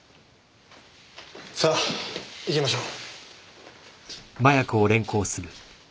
さあ行きましょう。